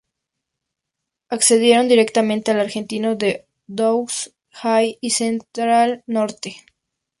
Ascendieron directamente al Argentino A Douglas Haig y Central Norte.